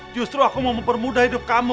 maaf aku masih suami